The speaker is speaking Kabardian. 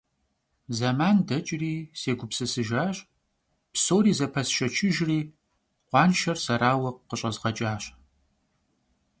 Зэман дэкӀри, сегупсысыжащ, псори зэпэсшэчыжри, къуаншэр сэрауэ къыщӀэзгъэкӀащ.